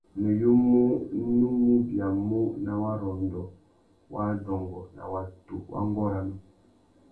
Nuyumú nú mù biamú nà warrôndô wa adôngô na watu wa ngôranô.